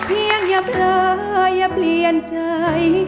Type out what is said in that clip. ขอเพียงอย่าเพลยะเปลี่ยนใจ